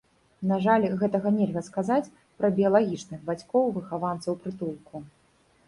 На жаль, гэтага нельга сказаць пра біялагічных бацькоў выхаванцаў прытулку.